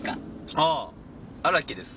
あぁ荒木です。